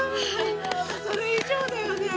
それ以上だよ！